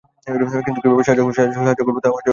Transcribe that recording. কিন্তু কীভাবে সাহায্য করবো তা জানতাম না।